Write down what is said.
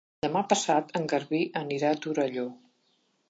Demà passat en Garbí anirà a Torelló.